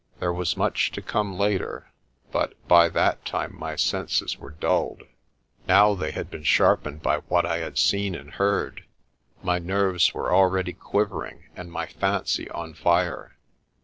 There was much to come later but by that time my senses were dulled. Now they had been sharpened by what I had seen and heard, my nerves were already quivering and my fancy on fire.